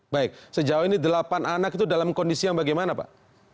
baik sejauh ini delapan anak itu dalam kondisi yang bagaimana pak